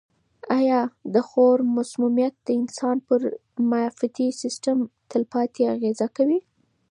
آیا د خوړو مسمومیت د انسان پر معافیتي سیستم تلپاتې اغېزه کوي؟